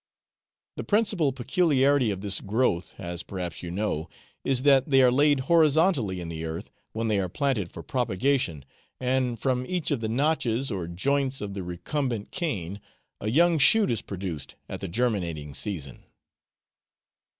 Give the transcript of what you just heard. The principal peculiarity of this growth, as perhaps you know, is that they are laid horizontally in the earth when they are planted for propagation, and from each of the notches or joints of the recumbent cane a young shoot is produced at the germinating season.